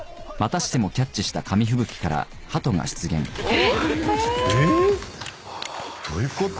えっ⁉どういうこと？